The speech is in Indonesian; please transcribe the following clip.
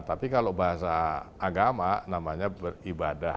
tapi kalau bahasa agama namanya beribadah